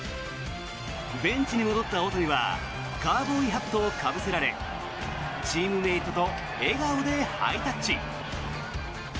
ベンチに戻った大谷はカウボーイハットをかぶせられチームメートと笑顔でハイタッチ。